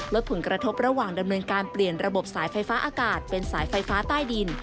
ลดผลกระทบระหว่างดำเนินการเปลี่ยนระบบสายไฟฟ้าอากาศเป็นสายไฟฟ้าใต้ดิน